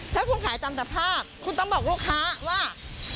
ถ้าคุณขายตามสภาพคุณต้องบอกลูกค้าว่า